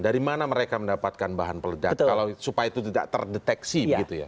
dari mana mereka mendapatkan bahan peledak kalau supaya itu tidak terdeteksi begitu ya